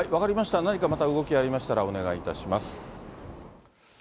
何かまた動きありましたらお願いいたします。